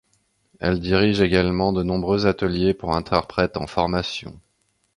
Elle dirige également de nombreux ateliers pour interprètes en formation.